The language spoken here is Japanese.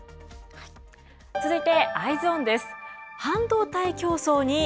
続いてＥｙｅｓｏｎです。